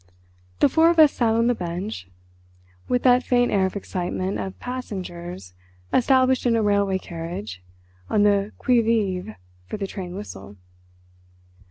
The four of us sat on the bench, with that faint air of excitement of passengers established in a railway carriage on the qui vive for the train whistle.